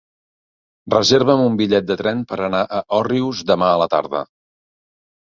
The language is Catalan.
Reserva'm un bitllet de tren per anar a Òrrius demà a la tarda.